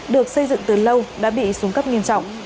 được xây dựng từ lâu đã bị xuống cấp nghiêm trọng